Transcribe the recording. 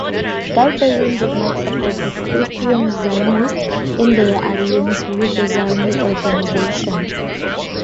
Gaebelein did not support the Christian Zionists in their alliance with the Zionist Organisation.